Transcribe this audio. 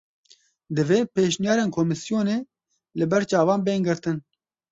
Divê pêşniyarên komîsyonê li ber çavan bên girtin